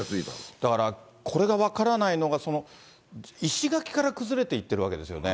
だからこれが分からないのが、石垣から崩れていってるわけですよね。